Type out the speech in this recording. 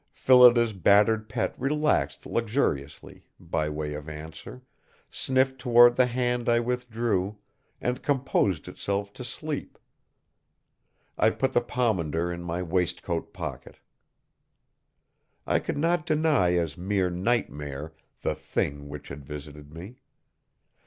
Phillida's battered pet relaxed luxuriously, by way of answer, sniffed toward the hand I withdrew, and composed itself to sleep. I put the pomander in my waistcoat pocket. I could not deny as mere nightmare the Thing which had visited me.